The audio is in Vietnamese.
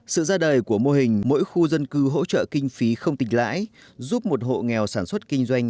sự ra đời của mô hình mỗi khu dân cư hỗ trợ kinh phí không tỉnh lãi giúp một hộ nghèo sản xuất kinh doanh